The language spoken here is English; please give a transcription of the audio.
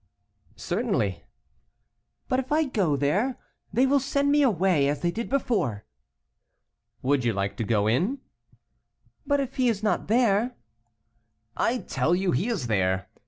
"Certainly." "But if I go there, they win send me away, as they did before." "Would you like to go in?" "But if he is not there?" "I tell you he is there.